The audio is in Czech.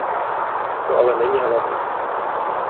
To ale není hlavní.